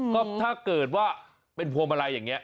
ก็ถ้าเกิดว่าเป็นพวงมาลัยอย่างนี้